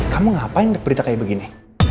kamu ngapain berita kayak begini